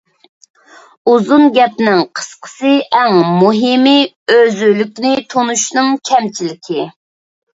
ئۇزۇن گەپنىڭ قىسقىسى، ئەڭ مۇھىمى ئۆزلۈكنى تونۇشنىڭ كەمچىللىكى.